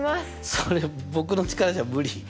それ僕の力じゃ無理。